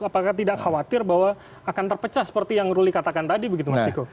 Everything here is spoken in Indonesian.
apakah tidak khawatir bahwa akan terpecah seperti yang ruli katakan tadi begitu mas ciko